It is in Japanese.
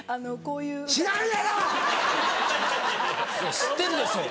知ってるでしょ。